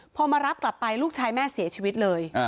พอมารับกลับไปลูกชายแม่เสียชีวิตเลย